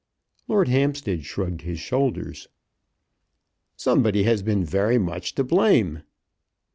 Lord Hampstead shrugged his shoulders. "Somebody has been very much to blame."